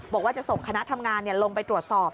บอกว่าจะส่งคณะทำงานลงไปตรวจสอบ